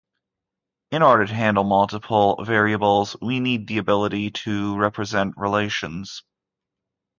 In order to handle multiple variables, we need the ability to represent relations.